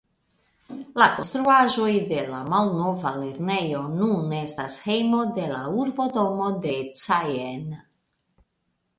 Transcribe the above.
La konstruaĵoj de la malnova lernejo nun estas hejmo de la urbodomo de Caen.